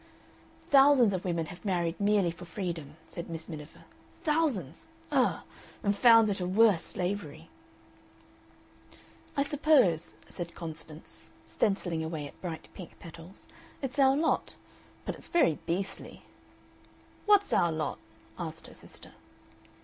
"Thousands of women have married merely for freedom," said Miss Miniver. "Thousands! Ugh! And found it a worse slavery." "I suppose," said Constance, stencilling away at bright pink petals, "it's our lot. But it's very beastly." "What's our lot?" asked her sister.